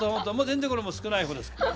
全然これも少ないほうです。